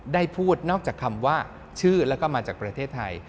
ได้พูดนอกจากคำว่าชื่อแล้วก็มาจากประเทศไทย